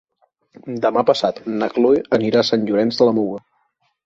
Demà passat na Cloè anirà a Sant Llorenç de la Muga.